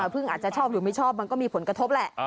พึ่งอาจจะชอบหรือไม่ชอบมันก็มีผลกระทบแหละ